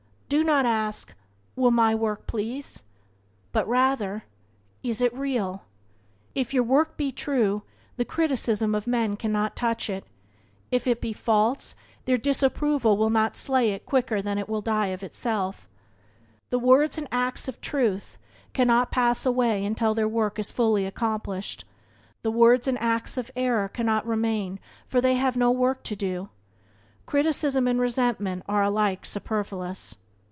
Do not ask: "Will my work please?" but: "Is it real?" If your work be true the criticism of men cannot touch it; if it be false their disapproval will not slay it quicker than it will die of itself. The words and acts of Truth cannot pass away until their work is fully accomplished; the words and acts of error cannot remain, for they have no work to do. Criticism and resentment are alike superfluous.